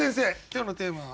今日のテーマは？